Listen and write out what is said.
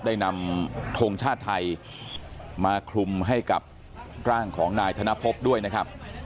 ได้นำทงชาติไทยมาคลุมให้กับร่างของนายธนพบด้วยนะครับ